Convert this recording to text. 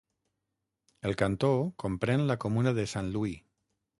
El cantó comprèn la comuna de Saint-Louis.